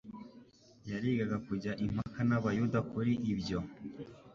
yarigaga kujya impaka n' abayuda kuri ibyo;